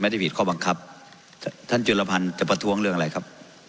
ผิดข้อบังคับท่านจุลภัณฑ์จะประท้วงเรื่องอะไรครับ